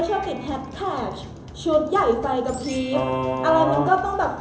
ชุดใหญ่ฟัยกับพิก